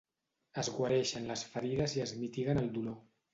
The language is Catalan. Es guareixen les ferides i es mitiguen el dolor.